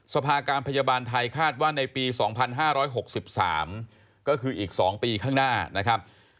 สภาการพยาบาลไทยคาดว่าในปี๒๕๖๓ก็คืออีก๒ปีข้างหน้านะครับ